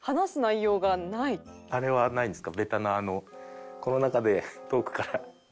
あれはないんですか？